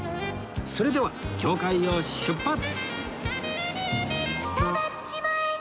それでは教会を出発！